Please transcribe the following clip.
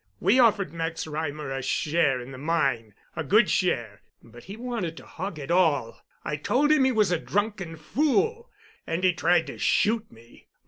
We offered Max Reimer a share in the mine—a good share—but he wanted to hog it all. I told him he was a drunken fool, and he tried to shoot me.